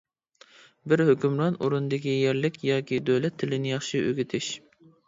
بىر ھۆكۈمران ئورۇندىكى يەرلىك ياكى دۆلەت تىلىنى ياخشى ئۆگىتىش.